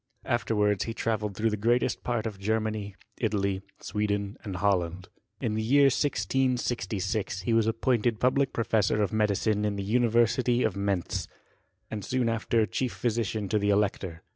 Afterwards he travelled through the greatest part of Germany, Italy, Sweden, and Holland. In the year 1666 he was appointed public professor of medicine in the University of Mentz, and soon after chief physician to the elector.